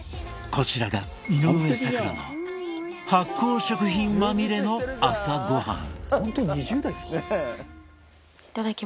こちらが井上咲楽の発酵食品まみれの朝ごはん。